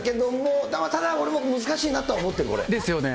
ただ俺も難しいなとは思ってる、これ。ですよね。